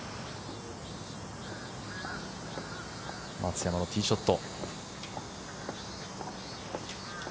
松山のティーショット。